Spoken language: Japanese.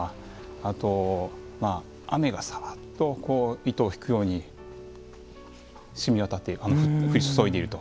あと雨がさらっと糸を引くようにしみ渡って降り注いでいると。